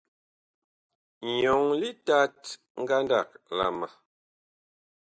Nyɔŋ litat ngandag la ma.